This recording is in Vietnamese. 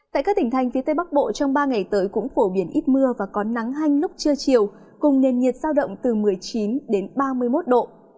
tại các tỉnh thành phía tây bắc bộ trong ba ngày tới cũng phổ biến ít mưa và có nắng hanh lúc trưa chiều cùng nền nhiệt sao động từ một mươi chín đến ba mươi một độ